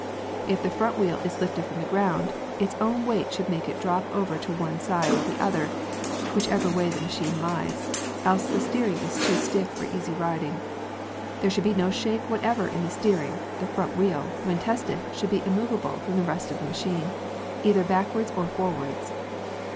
If the front wheel is lifted from the ground, its own weight should make it drop over to one side or the other, which ever way themachine lies, else the steering is too stiff for easy riding. There should be no shake whatever in the steering, the front wheel, when tested, should be immoveable from the rest of the machine, either backwards or forwards.